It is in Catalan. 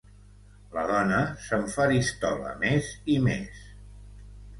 La dona s'enfaristola més i més.